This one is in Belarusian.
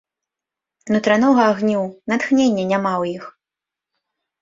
Нутранога агню, натхнення няма ў іх.